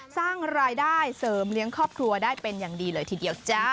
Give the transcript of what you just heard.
สร้างรายได้เสริมเลี้ยงครอบครัวได้เป็นอย่างดีเลยทีเดียวจ้า